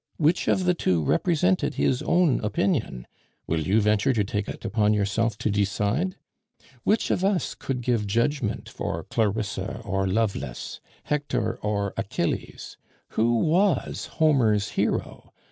Which of the two represented his own opinion? will you venture to take it upon yourself to decide? Which of us could give judgement for Clarissa or Lovelace, Hector or Achilles? Who was Homer's hero?